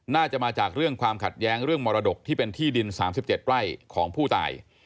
น่าจะมาจากเรื่องความขัดแย้งเรื่องมรดกที่เป็นที่ดิน๓๗ไร่ของผู้ตาย